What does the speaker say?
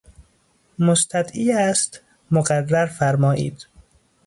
مستدعی است مقرر فرمائید!